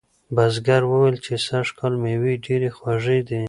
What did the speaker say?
بزګر وویل چې سږکال مېوې ډیرې خوږې دي.